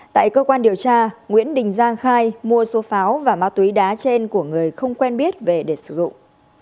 tại cơ quan điều tra nguyễn đình giang khai mua số pháo và ma túy đá trên của người không quen biết về để sử dụng